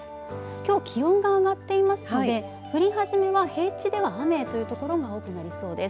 きょう気温が上がっていますので降り始めは、平地では雨という所が多くなりそうです。